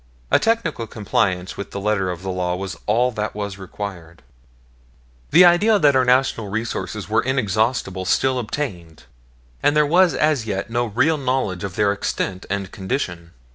A technical compliance with the letter of the law was all that was required. The idea that our natural resources were inexhaustible still obtained, and there was as yet no real knowledge of their extent and condition.